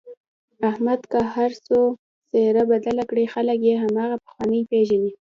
احمد که هرڅو څهره بدله کړي خلک یې هماغه پخوانی پېژني.